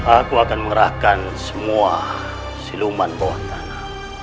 aku akan mengerahkan semua siluman bawah tanah